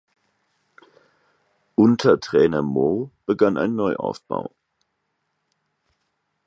Unter Trainer Moe begann ein Neuaufbau.